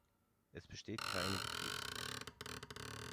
Es besteht keine Betriebspflicht.